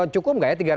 cukup nggak ya